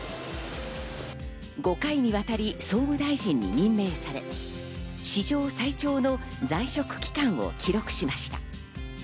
５回にわたり総務大臣に任命され、史上最長の在職期間を記録しました。